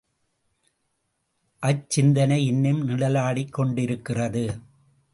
அச்சிந்தனை இன்னும் நிழலாடிக் கொண்டிருக்கிறது.